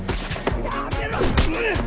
やめろ！